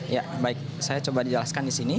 ya baik saya coba dijelaskan di sini